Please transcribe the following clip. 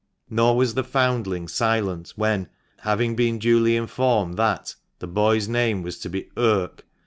Nor was the foundling silent when, having been duly informed that the boy's name was to be " Irk?